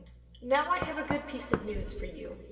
Now I have a good piece of news for you.